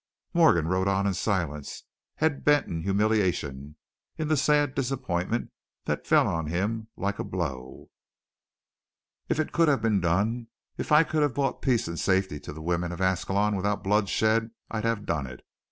Morgan rode on in silence, head bent in humiliation, in the sad disappointment that fell on him like a blow. "If it could have been done, if I could have brought peace and safety to the women of Ascalon without bloodshed, I'd have done it.